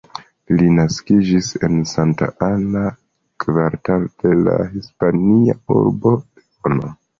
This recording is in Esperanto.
Li naskiĝis en Santa Ana, kvartalo de la Hispania urbo Leono.